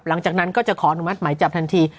หลังจากนั้นก็จะขออนุมัติหมายจับทันที